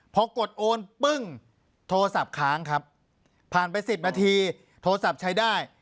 พอกดโอนปึ้งโทรศัพท์ค้างครับผ่านไป๑๐นาทีโทรศัพท์ใช้ได้